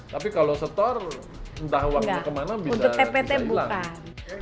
tapi kalau setor entah uangnya kemana bisa